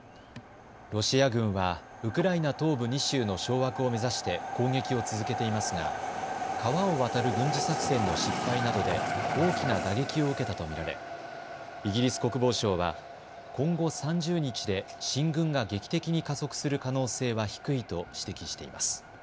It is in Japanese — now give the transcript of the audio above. ロシア軍はウクライナ東部２州の掌握を目指して攻撃を続けていますが川を渡る軍事作戦の失敗などで大きな打撃を受けたと見られイギリス国防省は今後３０日で進軍が劇的に加速する可能性は低いと指摘しています。